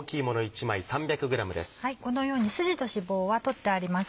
このように筋と脂肪は取ってあります。